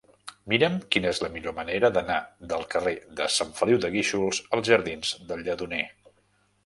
Mira'm quina és la millor manera d'anar del carrer de Sant Feliu de Guíxols als jardins del Lledoner.